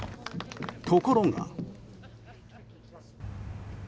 ところが。